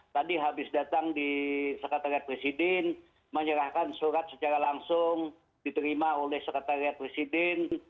tadi habis datang di sekretariat presiden menyerahkan surat secara langsung diterima oleh sekretariat presiden